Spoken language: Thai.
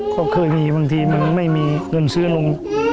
ก็เคยมีบางทีมันไม่มีเงินซื้อลง